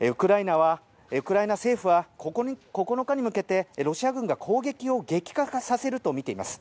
ウクライナ政府は９日に向けてロシア軍が攻撃を激化させるとみています。